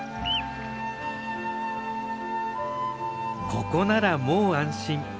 ここならもう安心。